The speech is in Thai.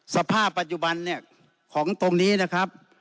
สภาพปัจจุบันเนี่ยของตรงนี้นะครับ